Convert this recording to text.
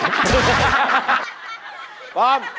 ถามพี่ปีเตอร์